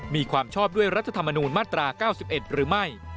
มีความชอบด้วยรัฐธรรมนูญมาตรา๙๑หรือไม่